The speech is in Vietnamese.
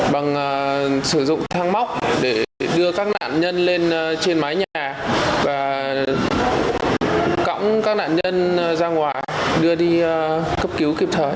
bằng sử dụng thang móc để đưa các nạn nhân lên trên mái nhà và cõng các nạn nhân ra ngoài đưa đi cấp cứu kịp thời